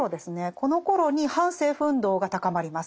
このころに反政府運動が高まります。